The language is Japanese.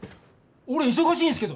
俺忙しいんすけど！